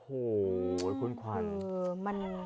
โอ้โหคุณขวัญ